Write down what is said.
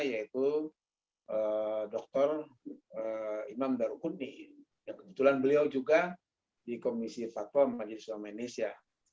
yaitu dr imam darukuni kebetulan beliau juga di komisi fakwa maju islam malaysia